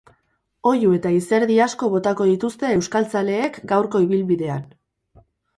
Oihu eta izerdi asko botako dituzte euskaltzaleek gaurko ibilbidean.